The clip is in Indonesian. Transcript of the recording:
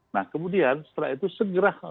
nah kemudian setelah itu segera